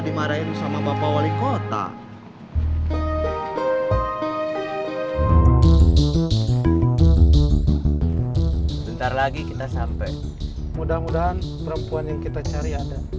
dimarahin sama bapak wali kota bentar lagi kita sampai mudah mudahan perempuan yang kita cari ada